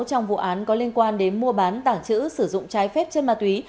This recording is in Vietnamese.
trong vụ án có liên quan đến mua bán tảng trữ sử dụng trái phép chân ma túy